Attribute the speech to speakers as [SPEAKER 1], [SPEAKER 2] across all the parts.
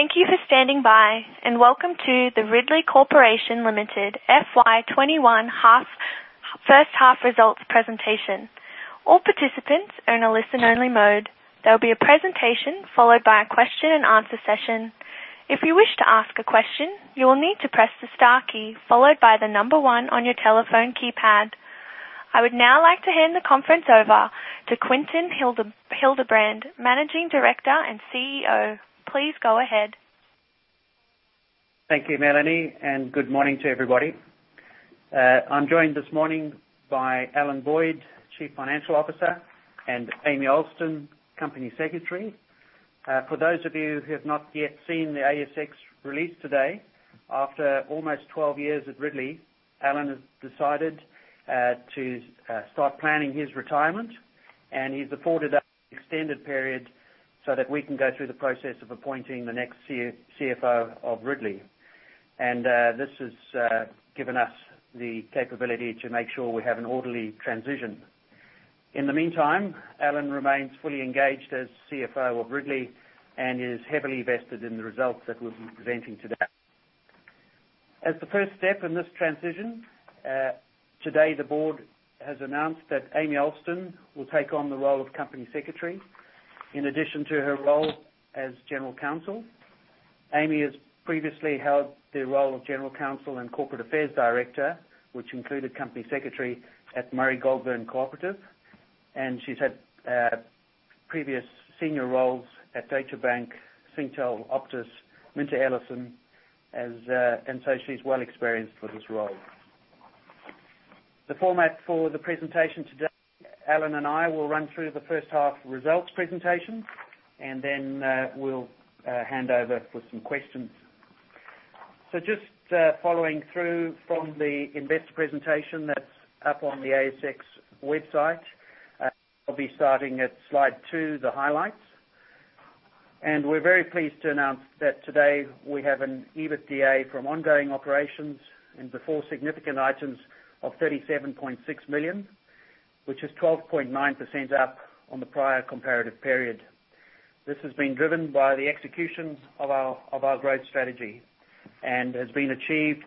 [SPEAKER 1] Thank you for standing by, and welcome to the Ridley Corporation Limited FY21 first half results presentation. All participants are in a listen-only mode. There will be a presentation followed by a question and answer session. If you wish to ask a question, you will need to press the star key followed by the number one on your telephone keypad. I would now like to hand the conference over to Quinton Hildebrand, Managing Director and CEO. Please go ahead.
[SPEAKER 2] Thank you, Melanie, and good morning to everybody. I'm joined this morning by Alan Boyd, Chief Financial Officer, and Amy Alston, Company Secretary. For those of you who have not yet seen the ASX release today, after almost 12 years at Ridley, Alan has decided to start planning his retirement, and he's afforded us an extended period so that we can go through the process of appointing the next CFO of Ridley. This has given us the capability to make sure we have an orderly transition. In the meantime, Alan remains fully engaged as CFO of Ridley and is heavily vested in the results that we'll be presenting today. As the first step in this transition, today the board has announced that Amy Alston will take on the role of Company Secretary in addition to her role as General Counsel. Amy has previously held the role of general counsel and corporate affairs director, which included company secretary at Murray Goulburn Co-operative, and she's had previous senior roles at Deutsche Bank, Singtel, Optus, MinterEllison and so she's well experienced for this role. The format for the presentation today, Alan and I will run through the first half results presentation, and then we'll hand over for some questions. Just following through from the investor presentation that's up on the ASX website, I'll be starting at slide two, the highlights. We're very pleased to announce that today we have an EBITDA from ongoing operations and before significant items of 37.6 million, which is 12.9% up on the prior comparative period. This has been driven by the execution of our growth strategy and has been achieved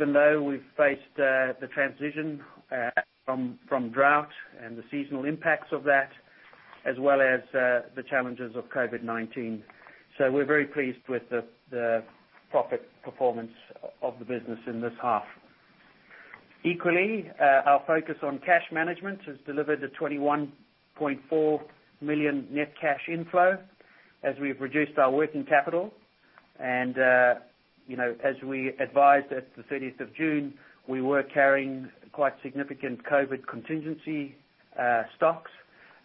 [SPEAKER 2] even though we've faced the transition from drought and the seasonal impacts of that, as well as the challenges of COVID-19. We're very pleased with the profit performance of the business in this half. Equally, our focus on cash management has delivered a 21.4 million net cash inflow as we've reduced our working capital. As we advised at the 30th of June, we were carrying quite significant COVID contingency stocks,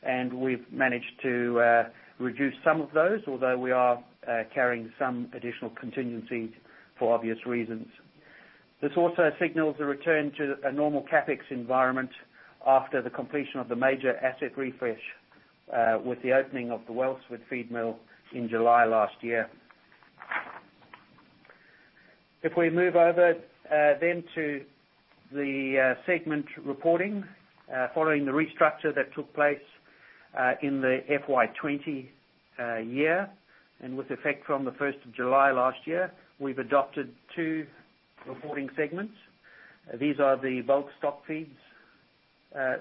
[SPEAKER 2] and we've managed to reduce some of those, although we are carrying some additional contingencies for obvious reasons. This also signals a return to a normal CapEx environment after the completion of the major asset refresh with the opening of the Wellsford feed mill in July last year. If we move over then to the segment reporting, following the restructure that took place in the FY 2020 year, and with effect from the 1st of July last year, we've adopted two reporting segments. These are the bulk stock feeds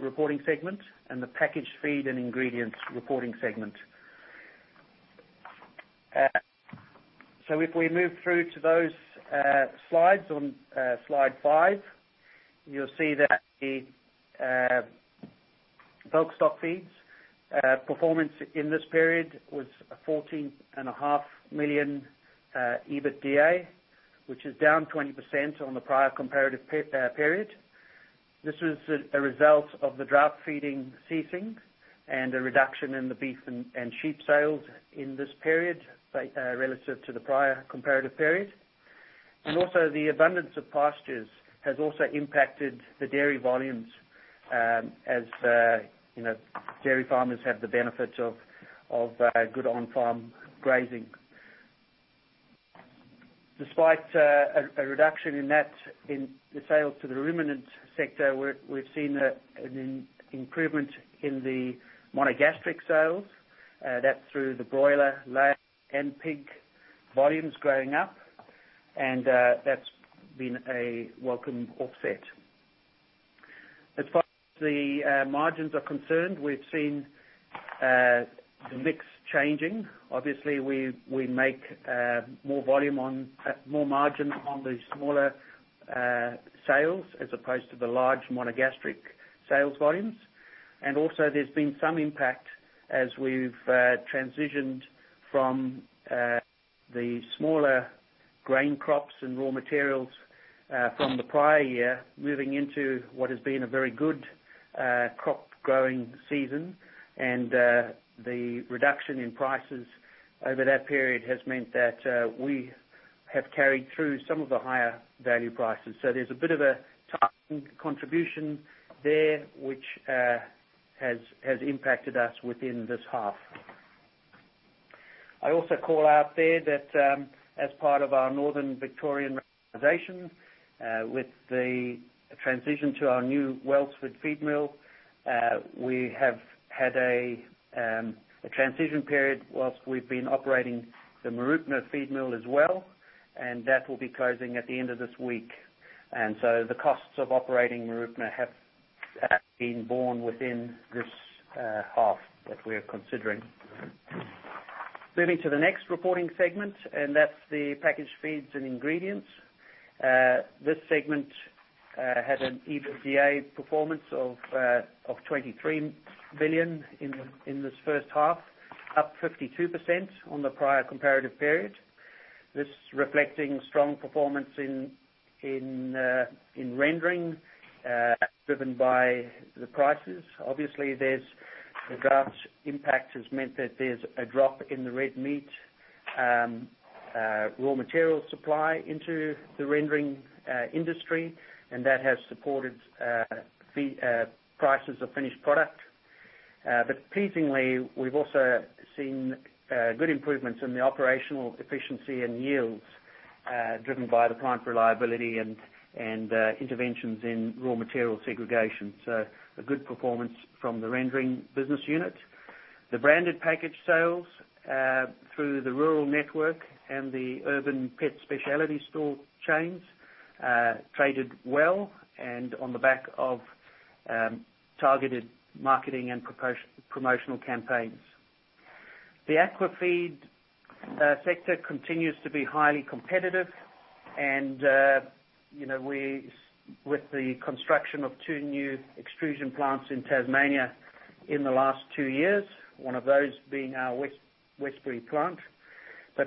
[SPEAKER 2] reporting segment and the packaged feed and ingredients reporting segment. If we move through to those slides on slide five, you'll see that the bulk stock feeds performance in this period was 14.5 million EBITDA, which is down 20% on the prior comparative period. This was a result of the drought feeding ceasing and a reduction in the beef and sheep sales in this period relative to the prior comparative period. Also, the abundance of pastures has also impacted the dairy volumes as dairy farmers have the benefit of good on-farm grazing. Despite a reduction in the sales to the ruminant sector, we've seen an improvement in the monogastric sales. That's through the broiler, layer, and pig volumes growing up, and that's been a welcome offset. As far as the margins are concerned, we've seen the mix changing. Obviously, we make more margin on the smaller sales as opposed to the large monogastric sales volumes. Also, there's been some impact as we've transitioned from the smaller grain crops and raw materials from the prior year, moving into what has been a very good crop growing season and the reduction in prices over that period has meant that we have carried through some of the higher value prices. There's a bit of a tightening contribution there which has impacted us within this half. I also call out there that as part of our Northern Victoria with the transition to our new Wellsford feed mill, we have had a transition period whilst we've been operating the Mooroopna feed mill as well, and that will be closing at the end of this week. The costs of operating Mooroopna have been borne within this half that we are considering. Moving to the next reporting segment, and that's the packaged feeds and ingredients. This segment had an EBITDA performance of 23 million in this first half, up 52% on the prior comparative period. This reflecting strong performance in rendering, driven by the prices. Obviously, the droughts impact has meant that there's a drop in the red meat raw material supply into the rendering industry, and that has supported prices of finished product. Pleasingly, we've also seen good improvements in the operational efficiency and yields driven by the plant reliability and interventions in raw material segregation. A good performance from the rendering business unit. The branded packaged sales through the rural network and the urban pet specialty store chains traded well and on the back of targeted marketing and promotional campaigns. The aquafeed sector continues to be highly competitive. With the construction of two new extrusion plants in Tasmania in the last two years, one of those being our Westbury plant.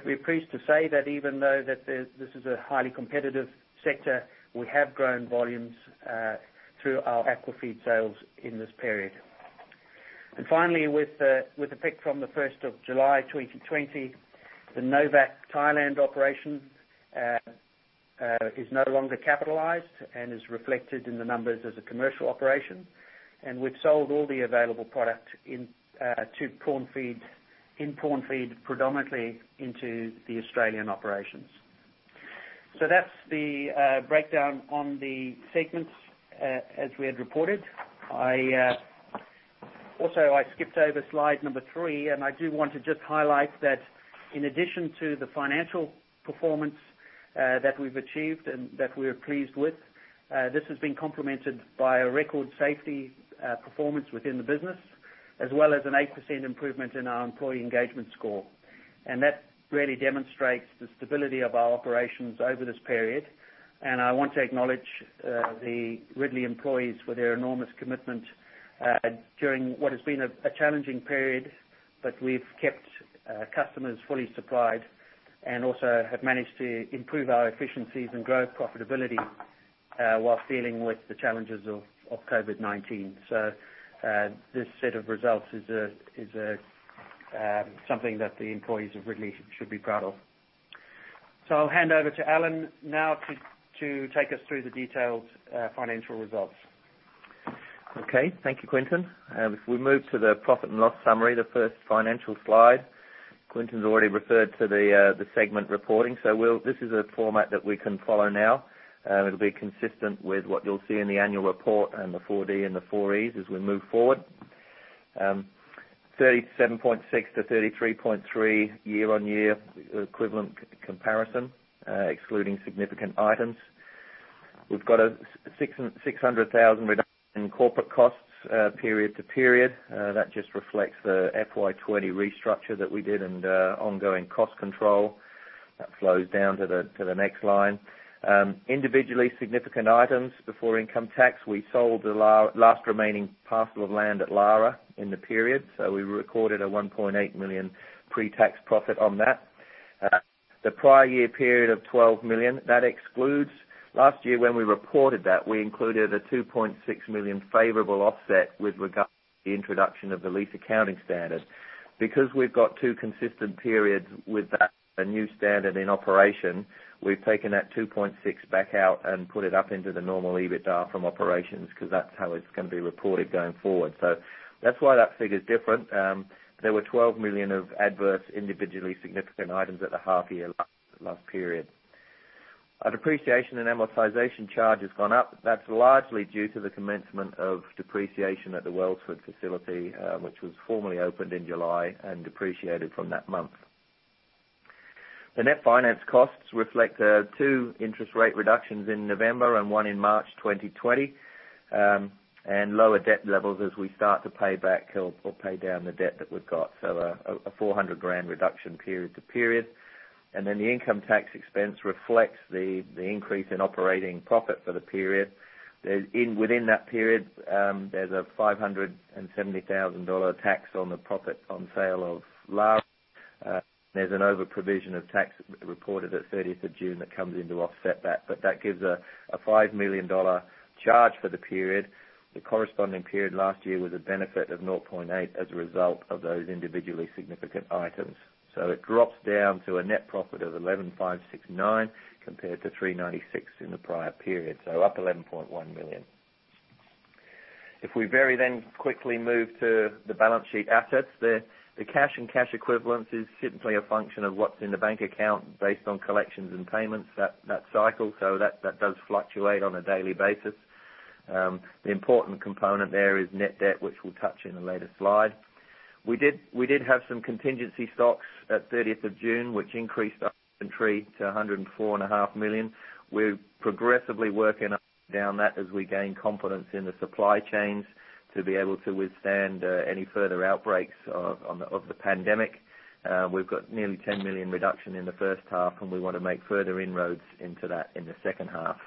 [SPEAKER 2] We're pleased to say that even though this is a highly competitive sector, we have grown volumes through our aquafeed sales in this period. Finally, with effect from the 1st of July 2020, the Novacq Thailand operation is no longer capitalized and is reflected in the numbers as a commercial operation. We've sold all the available product in prawn feed predominantly into the Australian operations. That's the breakdown on the segments as we had reported. Also, I skipped over slide number three. I do want to just highlight that in addition to the financial performance that we've achieved and that we are pleased with, this has been complemented by a record safety performance within the business, as well as an 8% improvement in our employee engagement score. That really demonstrates the stability of our operations over this period. I want to acknowledge the Ridley employees for their enormous commitment during what has been a challenging period, but we've kept customers fully supplied and also have managed to improve our efficiencies and grow profitability while dealing with the challenges of COVID-19. This set of results is something that the employees of Ridley should be proud of. I'll hand over to Alan now to take us through the detailed financial results.
[SPEAKER 3] Okay. Thank you, Quinton. If we move to the profit and loss summary, the first financial slide, Quinton's already referred to the segment reporting. This is a format that we can follow now. It'll be consistent with what you'll see in the annual report and the 4D and the 4Es as we move forward. 37.6 to 33.3 year-over-year equivalent comparison, excluding significant items. We've got an 600,000 reduction in corporate costs period to period. That just reflects the FY 2020 restructure that we did and ongoing cost control. That flows down to the next line. Individually significant items before income tax, we sold the last remaining parcel of land at Lara in the period. We recorded an 1.8 million pre-tax profit on that. The prior year period of 12 million, that excludes Last year when we reported that, we included a 2.6 million favorable offset with regard to the introduction of the lease accounting standard. Because we've got two consistent periods with that new standard in operation, we've taken that 2.6 million back out and put it up into the normal EBITDA from operations, because that's how it's going to be reported going forward. That's why that figure is different. There were 12 million of adverse individually significant items at the half year last period. Our depreciation and amortization charge has gone up. That's largely due to the commencement of depreciation at the Wellsford facility, which was formally opened in July and depreciated from that month. The net finance costs reflect two interest rate reductions in November and one in March 2020, and lower debt levels as we start to pay back or pay down the debt that we've got. A 400,000 reduction period to period. The income tax expense reflects the increase in operating profit for the period. Within that period, there's a 570,000 dollar tax on the profit on sale of Lara. There's an over-provision of tax reported at 30th of June that comes in to offset that. That gives a 5 million dollar charge for the period. The corresponding period last year was a benefit of 0.8 million as a result of those individually significant items. It drops down to a net profit of 11.569 million, compared to 0.396 million in the prior period. Up 11.1 million. If we very quickly move to the balance sheet assets, the cash and cash equivalents is simply a function of what's in the bank account based on collections and payments, that cycle. That does fluctuate on a daily basis. The important component there is net debt, which we'll touch in a later slide. We did have some contingency stocks at 30th of June, which increased our inventory to 104.5 million. We're progressively working down that as we gain confidence in the supply chains to be able to withstand any further outbreaks of the pandemic. We've got nearly 10 million reduction in the first half, we want to make further inroads into that in the second half.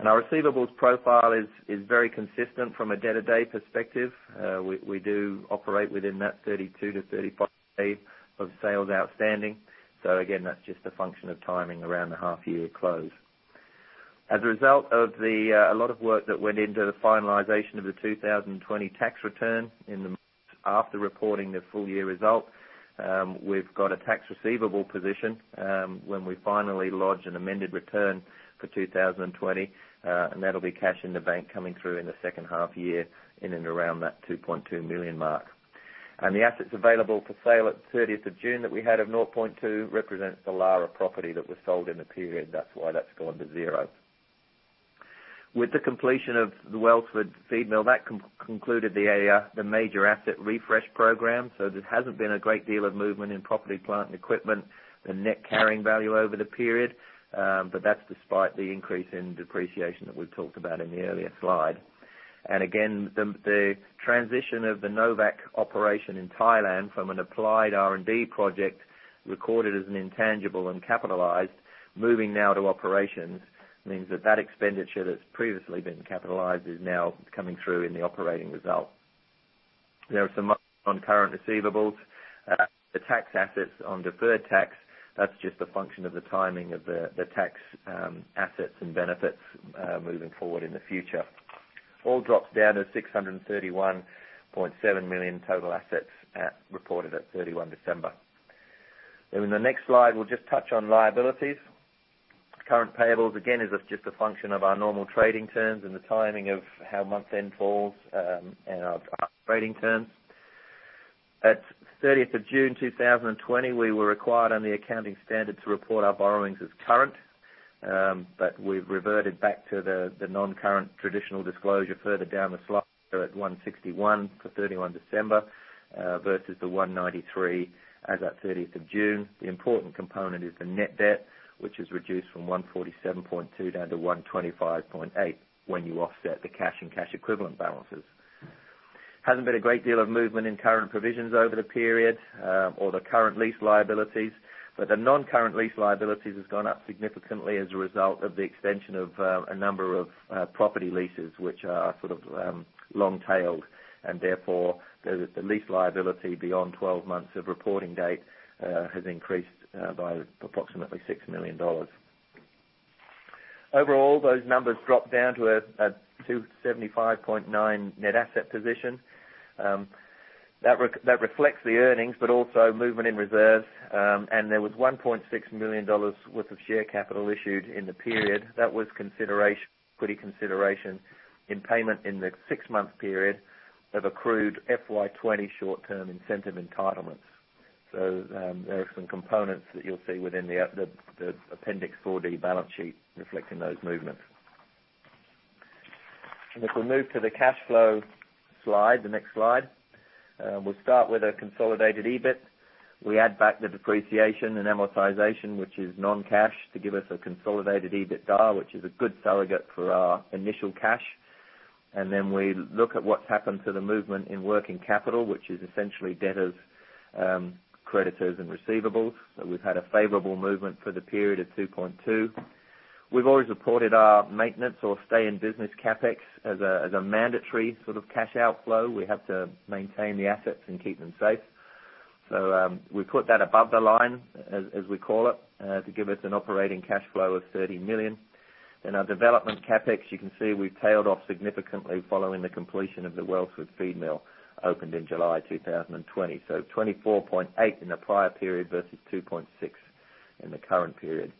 [SPEAKER 3] Our receivables profile is very consistent from a day-to-day perspective. We do operate within that 32 to 35 days of sales outstanding. Again, that's just a function of timing around the half year close. As a result of a lot of work that went into the finalization of the 2020 tax return in the after reporting the full year results, we've got a tax receivable position when we finally lodge an amended return for 2020. That'll be cash in the bank coming through in the second half year in and around that 2.2 million mark. The assets available for sale at 30th of June that we had of 0.2 million represents the Lara property that was sold in the period. That's why that's gone to zero. With the completion of the Wellsford feed mill, that concluded the major asset refresh program. There hasn't been a great deal of movement in property, plant and equipment, the net carrying value over the period, but that's despite the increase in depreciation that we've talked about in the earlier slide. Again, the transition of the Novacq operation in Thailand from an applied R&D project recorded as an intangible and capitalized, moving now to operations, means that that expenditure that's previously been capitalized is now coming through in the operating result. There are some non-current receivables. The tax assets on deferred tax, that's just a function of the timing of the tax assets and benefits moving forward in the future. All drops down to 631.7 million total assets reported at 31 December. In the next slide, we'll just touch on liabilities. Current payables, again, is just a function of our normal trading terms and the timing of how month end falls, and our trading terms. At 30th of June 2020, we were required under the accounting standard to report our borrowings as current, but we've reverted back to the non-current traditional disclosure further down the slide at 161 for 31 December versus the 193 as at 30th of June. The important component is the net debt, which has reduced from 147.2 down to 125.8 when you offset the cash and cash equivalent balances. Hasn't been a great deal of movement in current provisions over the period, or the current lease liabilities, but the non-current lease liabilities has gone up significantly as a result of the extension of a number of property leases, which are long-tailed. Therefore, the lease liability beyond 12 months of reporting date has increased by approximately 6 million dollars. Overall, those numbers dropped down to a 275.9 net asset position. That reflects the earnings, also movement in reserves. There was 1.6 million dollars worth of share capital issued in the period. That was equity consideration in payment in the six-month period of accrued FY 2020 short-term incentive entitlements. There are some components that you'll see within the Appendix 4D balance sheet reflecting those movements. If we move to the cash flow slide, the next slide, we'll start with a consolidated EBIT. We add back the depreciation and amortization, which is non-cash, to give us a consolidated EBITDA, which is a good surrogate for our initial cash. We look at what's happened to the movement in working capital, which is essentially debtors, creditors, and receivables. We've had a favorable movement for the period of 2.2. We've always reported our maintenance or stay in business CapEx as a mandatory cash outflow. We have to maintain the assets and keep them safe. We put that above the line, as we call it, to give us an operating cash flow of 30 million. In our development CapEx, you can see we've tailed off significantly following the completion of the Wellsford feed mill opened in July 2020. 24.8 in the prior period versus 2.6 in the current period.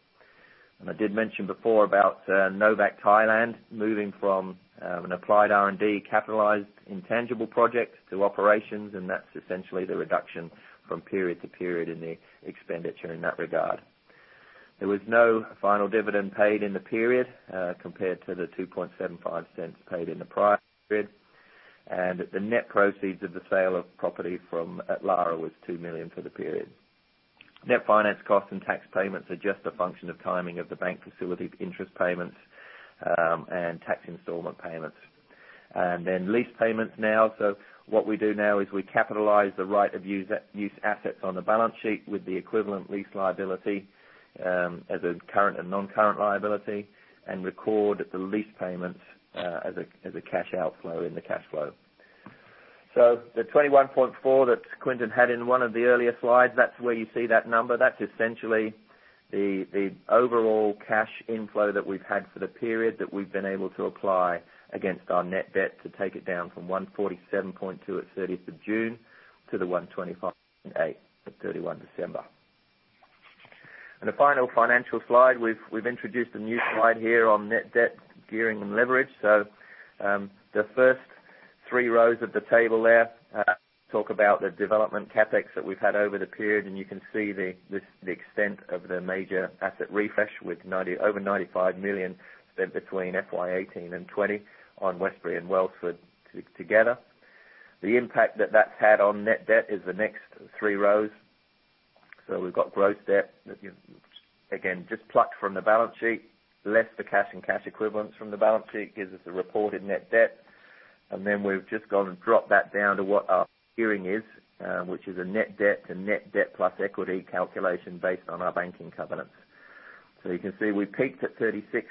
[SPEAKER 3] I did mention before about Novacq Thailand moving from an applied R&D capitalized intangible project to operations, that's essentially the reduction from period to period in the expenditure in that regard. There was no final dividend paid in the period compared to the 2.75 paid in the prior period. The net proceeds of the sale of property from at Lara was 2 million for the period. Net finance costs and tax payments are just a function of timing of the bank facility interest payments, tax installment payments. Lease payments now. What we do now is we capitalize the right of use assets on the balance sheet with the equivalent lease liability as a current and non-current liability and record the lease payments as a cash outflow in the cash flow. The 21.4 that Quinton had in one of the earlier slides, that's where you see that number. That's essentially the overall cash inflow that we've had for the period that we've been able to apply against our net debt to take it down from 147.2 at 30th of June to the 125.8 at 31 December. In the final financial slide, we've introduced a new slide here on net debt gearing and leverage. The first three rows of the table there talk about the development CapEx that we've had over the period, and you can see the extent of the major asset refresh with over 95 million spent between FY 2018 and FY 2020 on Westbury and Wellsford together. The impact that that's had on net debt is the next three rows. We've got gross debt, again, just plucked from the balance sheet, less the cash and cash equivalents from the balance sheet gives us a reported net debt. Then we've just gone and dropped that down to what our gearing is, which is a net debt to net debt plus equity calculation based on our banking covenants. You can see we peaked at 36%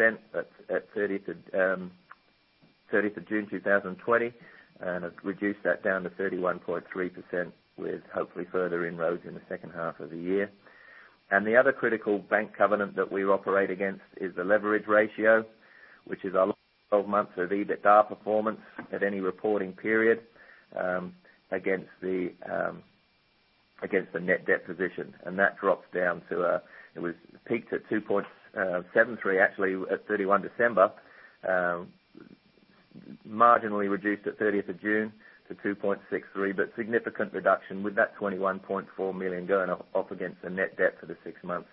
[SPEAKER 3] at 30th of June 2020, and have reduced that down to 31.3% with hopefully further inroads in the second half of the year. The other critical bank covenant that we operate against is the leverage ratio, which is our 12 months of EBITDA performance at any reporting period, against the net debt position. That dropped down, it was peaked at 2.73, actually, at 31 December, marginally reduced at 30th of June to 2.63. Significant reduction with that 21.4 million going off against the net debt for the six months.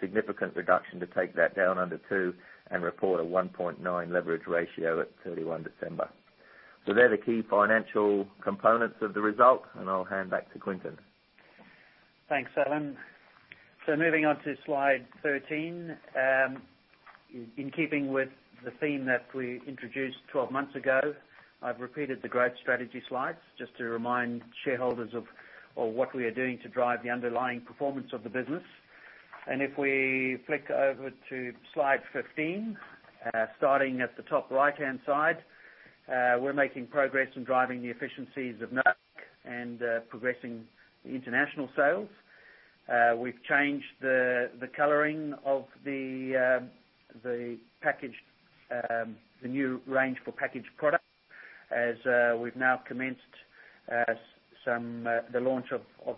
[SPEAKER 3] Significant reduction to take that down under two and report a 1.9 leverage ratio at 31 December. They're the key financial components of the result, and I'll hand back to Quinton.
[SPEAKER 2] Thanks, Alan. Moving on to slide 13. In keeping with the theme that we introduced 12 months ago, I've repeated the growth strategy slides just to remind shareholders of what we are doing to drive the underlying performance of the business. If we flick over to slide 15, starting at the top right-hand side, we're making progress in driving the efficiencies of Novacq and progressing international sales. We've changed the coloring of the new range for packaged product, as we've now commenced the launch of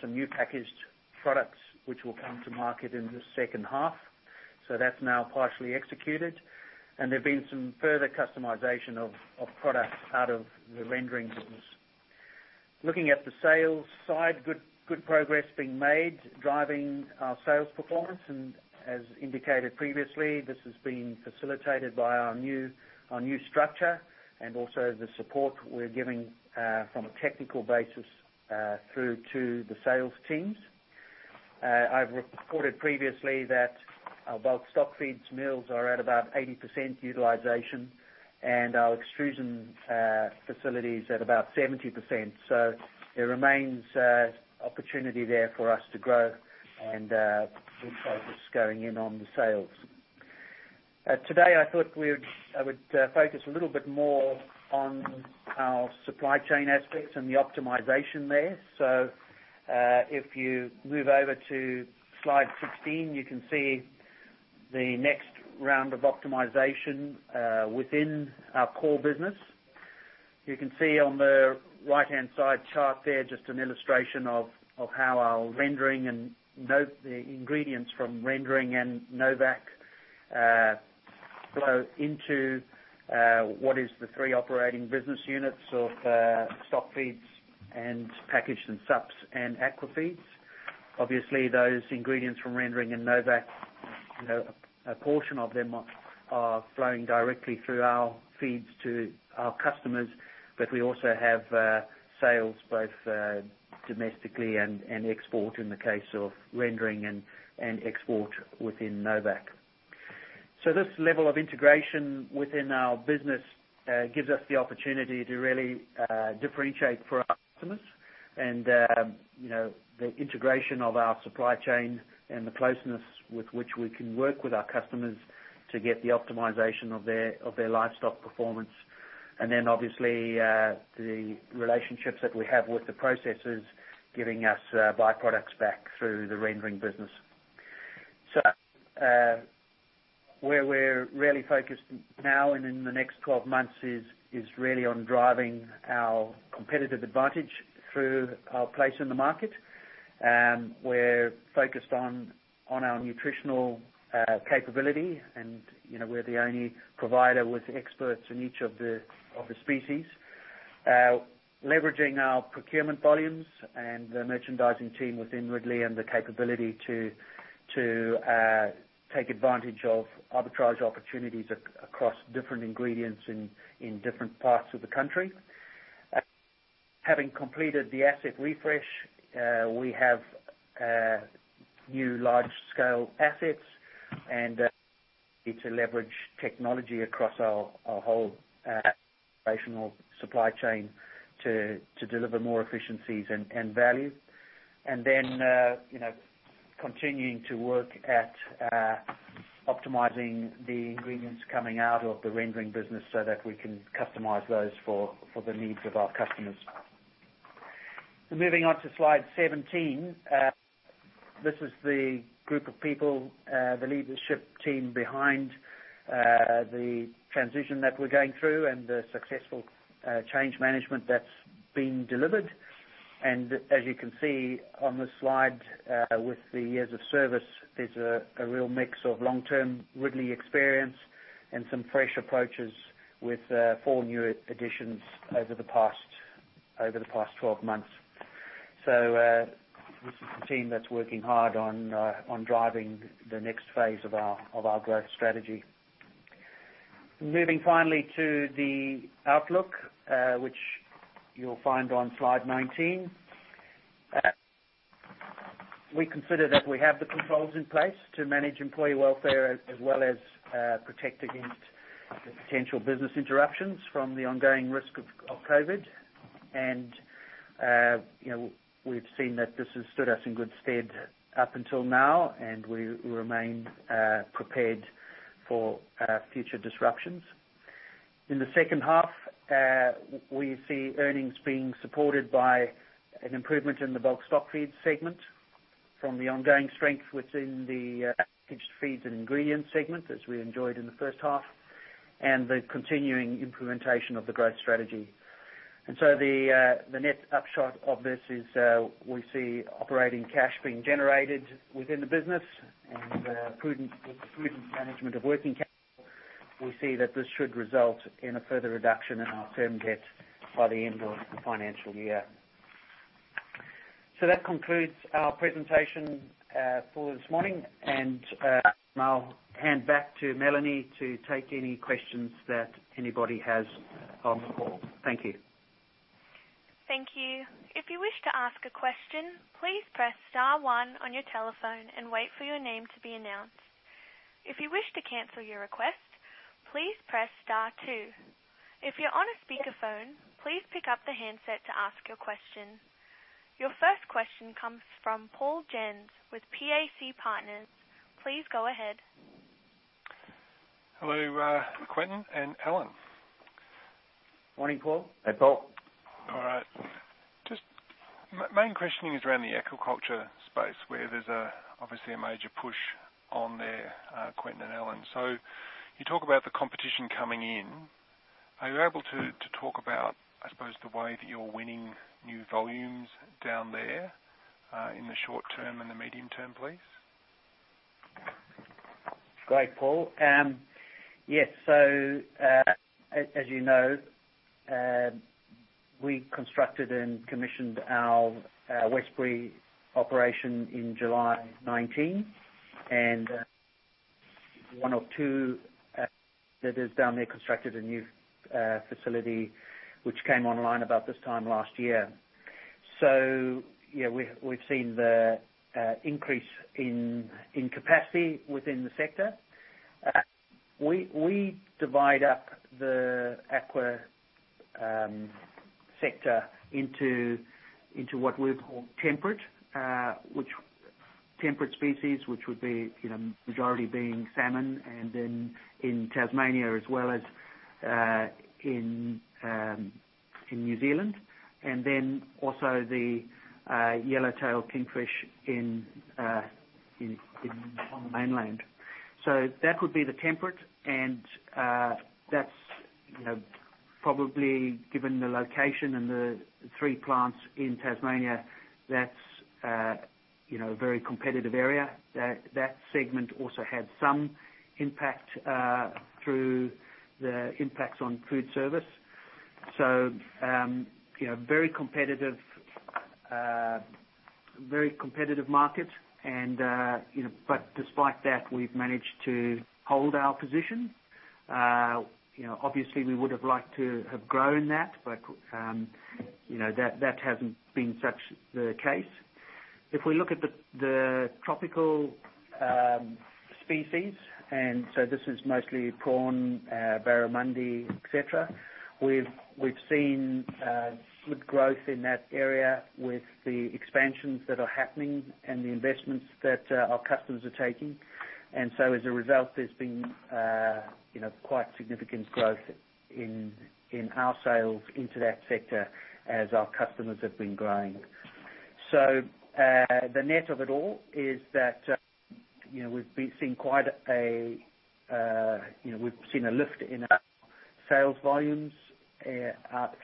[SPEAKER 2] some new packaged products, which will come to market in the second half. That's now partially executed. There've been some further customization of products out of the rendering business. Looking at the sales side, good progress being made driving our sales performance. As indicated previously, this has been facilitated by our new structure and also the support we're giving from a technical basis, through to the sales teams. I've reported previously that our bulk stock feeds mills are at about 80% utilization and our extrusion facility is at about 70%. There remains opportunity there for us to grow and we're focused going in on the sales. Today, I thought I would focus a little bit more on our supply chain aspects and the optimization there. If you move over to slide 16, you can see the next round of optimization within our core business. You can see on the right-hand side chart there, just an illustration of how our rendering and the ingredients from rendering and Novacq, flow into what is the three operating business units of stock feeds and packaged and sups and aqua feeds. Obviously, those ingredients from rendering and Novacq, a portion of them are flowing directly through our feeds to our customers. We also have sales both domestically and export in the case of rendering and export within Novacq. This level of integration within our business gives us the opportunity to really differentiate for our customers and the integration of our supply chain and the closeness with which we can work with our customers to get the optimization of their livestock performance. Obviously, the relationships that we have with the processors giving us byproducts back through the rendering business. Where we're really focused now and in the next 12 months is really on driving our competitive advantage through our place in the market. We're focused on our nutritional capability, we're the only provider with experts in each of the species. Leveraging our procurement volumes and the merchandising team within Ridley and the capability to take advantage of arbitrage opportunities across different ingredients in different parts of the country. Having completed the asset refresh, we have new large-scale assets, it's a leverage technology across our whole operational supply chain to deliver more efficiencies and value. Continuing to work at optimizing the ingredients coming out of the rendering business so that we can customize those for the needs of our customers. Moving on to slide 17. This is the group of people, the leadership team behind the transition that we're going through and the successful change management that's been delivered. As you can see on this slide, with the years of service, there's a real mix of long-term Ridley experience and some fresh approaches with four new additions over the past 12 months. This is the team that's working hard on driving the next phase of our growth strategy. Moving finally to the outlook, which you'll find on slide 19. We consider that we have the controls in place to manage employee welfare as well as protect against the potential business interruptions from the ongoing risk of COVID. We've seen that this has stood us in good stead up until now, and we remain prepared for future disruptions. In the second half, we see earnings being supported by an improvement in the bulk stock feed segment from the ongoing strength within the packaged feeds and ingredient segment, as we enjoyed in the first half, and the continuing implementation of the growth strategy. The net upshot of this is we see operating cash being generated within the business and with the prudent management of working capital, we see that this should result in a further reduction in our term debt by the end of the financial year. That concludes our presentation for this morning, and I'll hand back to Melanie to take any questions that anybody has on the call. Thank you.
[SPEAKER 1] Thank you. If you wish to ask a question, please press star one on your telephone and wait for your name to be announced. If you wish to cancel your request, please press star two. If you're on a speakerphone, please pick up the handset to ask your question. Your first question comes from Paul Jensz with PAC Partners. Please go ahead.
[SPEAKER 4] Hello, Quinton and Alan.
[SPEAKER 2] Morning, Paul.
[SPEAKER 3] Hey, Paul.
[SPEAKER 4] All right. Just main questioning is around the aquaculture space where there's obviously a major push on there, Quinton and Alan. You talk about the competition coming in. Are you able to talk about, I suppose, the way that you're winning new volumes down there, in the short term and the medium term, please?
[SPEAKER 2] Great, Paul. Yes. As you know, we constructed and commissioned our Westbury operation in July 2019, and one of two that is down there constructed a new facility which came online about this time last year. Yeah, we've seen the increase in capacity within the sector. We divide up the aqua sector into what we've called temperate species, which would be majority being salmon and then in Tasmania as well as in New Zealand, and then also the yellowtail kingfish on the mainland. That would be the temperate and, that's probably given the location and the three plants in Tasmania, that's a very competitive area. That segment also had some impact, through the impacts on food service. Very competitive market and, but despite that, we've managed to hold our position. Obviously, we would have liked to have grown that, but that hasn't been such the case. If we look at the tropical species, and so this is mostly prawn, barramundi, et cetera, we've seen good growth in that area with the expansions that are happening and the investments that our customers are taking. As a result, there's been quite significant growth in our sales into that sector as our customers have been growing. The net of it all is that, we've seen a lift in our sales volumes,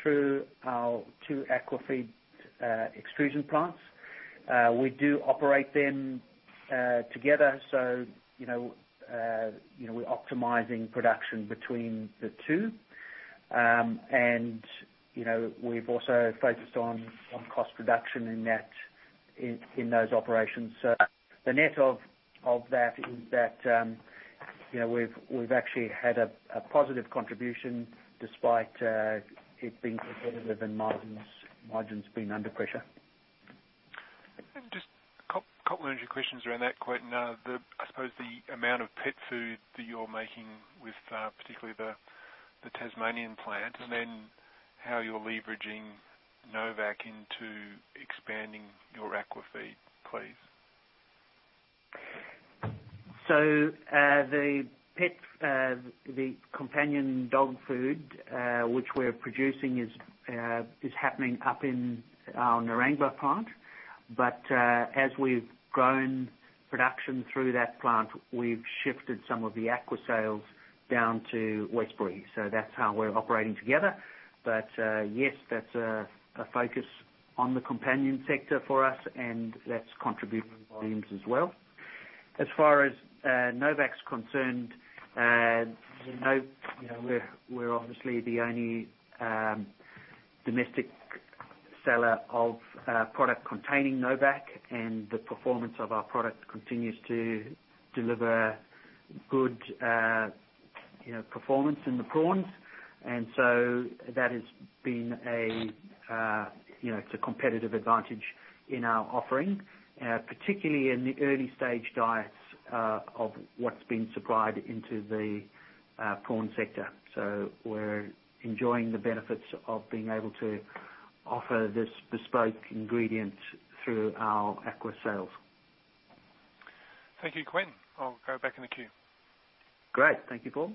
[SPEAKER 2] through our two aquafeed extrusion plants. We do operate them together, so, we're optimizing production between the two. We've also focused on cost reduction in those operations. The net of that is that, we've actually had a positive contribution despite, it being competitive and margins being under pressure.
[SPEAKER 4] Just a couple of questions around that, Quinton. I suppose the amount of pet food that you're making with, particularly the Tasmanian plant and then how you're leveraging Novacq into expanding your aqua feed, please.
[SPEAKER 2] The companion dog food, which we're producing is happening up in our Narangba plant. As we've grown production through that plant, we've shifted some of the aqua sales down to Westbury, so that's how we're operating together. Yes, that's a focus on the companion sector for us, and that's contributing volumes as well. As far as Novacq's concerned, as you know, we're obviously the only domestic seller of product containing Novacq, and the performance of our product continues to deliver good performance in the prawns. That has been a, it's a competitive advantage in our offering, particularly in the early-stage diets of what's been supplied into the prawn sector. We're enjoying the benefits of being able to offer this bespoke ingredient through our aqua sales.
[SPEAKER 4] Thank you, Quinton. I'll go back in the queue.
[SPEAKER 2] Great. Thank you, Paul.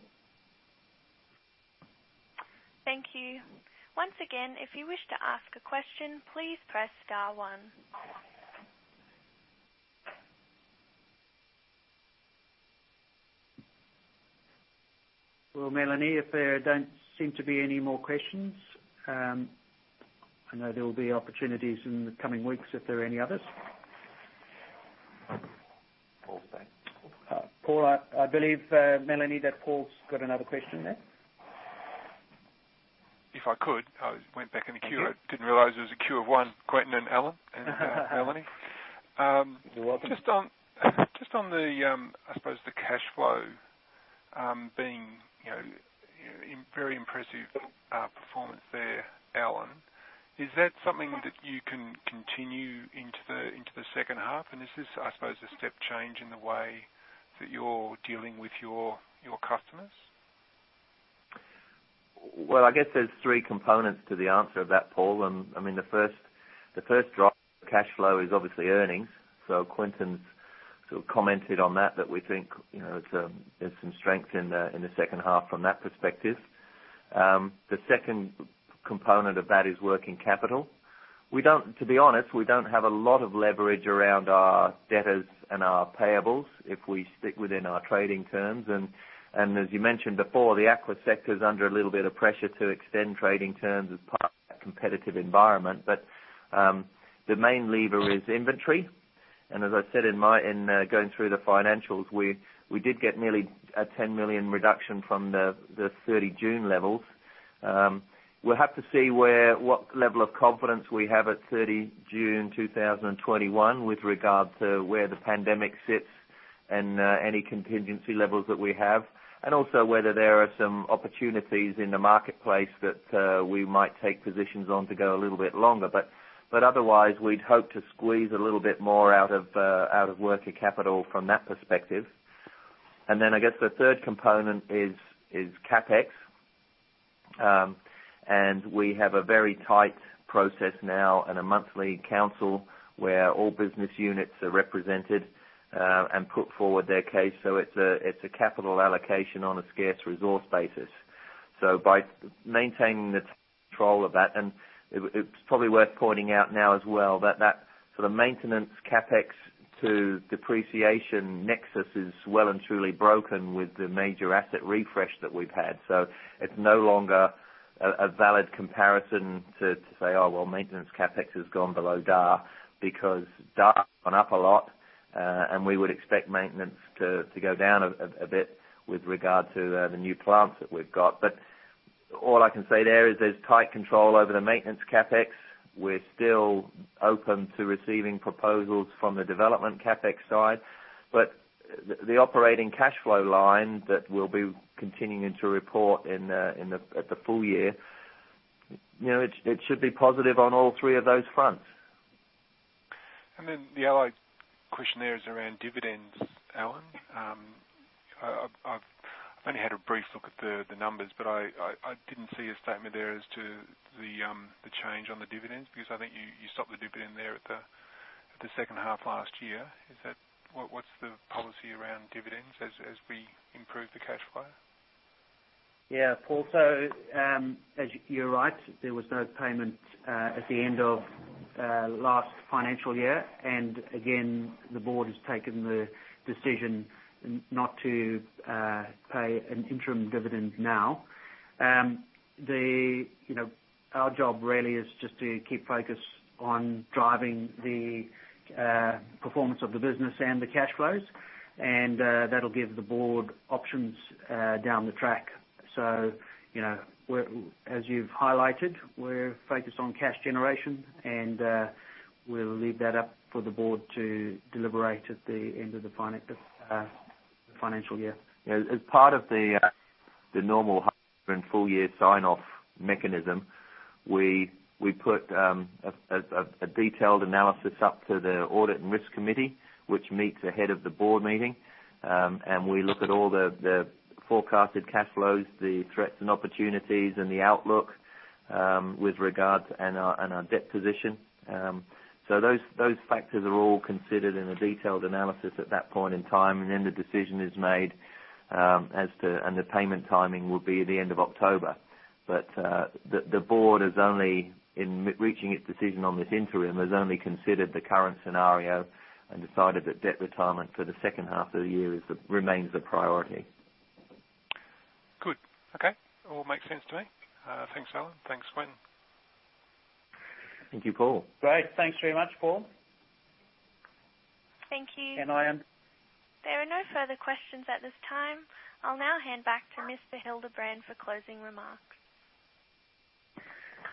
[SPEAKER 1] Thank you. Once again, if you wish to ask a question, please press star one.
[SPEAKER 2] Well, Melanie, if there don't seem to be any more questions, I know there will be opportunities in the coming weeks if there are any others. Paul, I believe, Melanie, that Paul's got another question there.
[SPEAKER 4] If I could, I went back in the queue.
[SPEAKER 2] Thank you.
[SPEAKER 4] Didn't realize it was a queue of one, Quinton and Alan, and Melanie.
[SPEAKER 2] You're welcome.
[SPEAKER 4] Just on the, I suppose, the cash flow being very impressive performance there, Alan. Is that something that you can continue into the second half? Is this, I suppose, a step change in the way that you're dealing with your customers?
[SPEAKER 3] Well, I guess there's three components to the answer of that, Paul. The first drop cash flow is obviously earnings. Quinton's commented on that we think there's some strength in the second half from that perspective. The second component of that is working capital. To be honest, we don't have a lot of leverage around our debtors and our payables if we stick within our trading terms. As you mentioned before, the aqua sector is under a little bit of pressure to extend trading terms as part of a competitive environment. The main lever is inventory. As I said in going through the financials, we did get nearly an 10 million reduction from the 30 June levels. We'll have to see what level of confidence we have at 30 June 2021 with regard to where the pandemic sits and any contingency levels that we have, and also whether there are some opportunities in the marketplace that we might take positions on to go a little bit longer. Otherwise, we'd hope to squeeze a little bit more out of working capital from that perspective. Then I guess the third component is CapEx. We have a very tight process now and a monthly council where all business units are represented and put forward their case. It's a capital allocation on a scarce resource basis. By maintaining the control of that, and it's probably worth pointing out now as well, that sort of maintenance CapEx to depreciation nexus is well and truly broken with the major asset refresh that we've had. It's no longer a valid comparison to say, "Oh, well, maintenance CapEx has gone below D&A" because D&A went up a lot, and we would expect maintenance to go down a bit with regard to the new plants that we've got. All I can say there is there's tight control over the maintenance CapEx. We're still open to receiving proposals from the development CapEx side. The operating cash flow line that we'll be continuing to report at the full year, it should be positive on all three of those fronts.
[SPEAKER 4] The other question there is around dividends, Alan. I've only had a brief look at the numbers, but I didn't see a statement there as to the change on the dividends, because I think you stopped the dividend there at the second half last year. What's the policy around dividends as we improve the cash flow?
[SPEAKER 2] Yeah, Paul. You're right. There was no payment at the end of last financial year. Again, the board has taken the decision not to pay an interim dividend now. Our job really is just to keep focus on driving the performance of the business and the cash flows, and that'll give the board options down the track. As you've highlighted, we're focused on cash generation, and we'll leave that up for the board to deliberate at the end of the financial year.
[SPEAKER 3] As part of the normal half and full year sign-off mechanism, we put a detailed analysis up to the audit and risk committee, which meets ahead of the board meeting, and we look at all the forecasted cash flows, the threats and opportunities and the outlook with regards, and our debt position. Those factors are all considered in a detailed analysis at that point in time. The payment timing will be at the end of October. The board, in reaching its decision on this interim, has only considered the current scenario and decided that debt retirement for the second half of the year remains the priority.
[SPEAKER 4] Good. Okay. All makes sense to me. Thanks, Alan. Thanks, Quinton.
[SPEAKER 3] Thank you, Paul.
[SPEAKER 2] Great. Thanks very much, Paul.
[SPEAKER 1] Thank you.
[SPEAKER 2] And I am.
[SPEAKER 1] There are no further questions at this time. I'll now hand back to Mr. Hildebrand for closing remarks.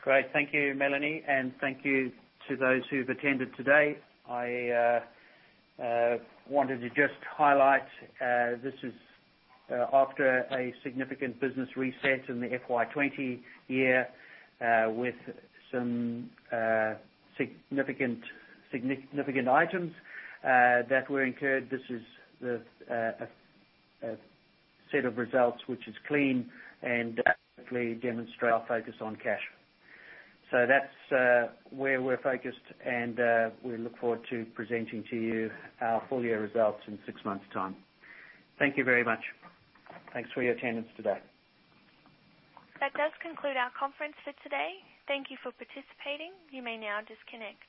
[SPEAKER 2] Great. Thank you, Melanie. Thank you to those who've attended today. I wanted to just highlight, this is after a significant business reset in the FY 2020 year, with some significant items that were incurred. This is a set of results which is clean and definitely demonstrate our focus on cash. That's where we're focused, and we look forward to presenting to you our full-year results in six months' time. Thank you very much. Thanks for your attendance today.
[SPEAKER 1] That does conclude our conference for today. Thank you for participating. You may now disconnect.